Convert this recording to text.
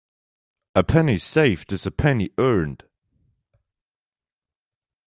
A penny saved is a penny earned.